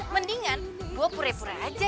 mendingan gua pure pure aja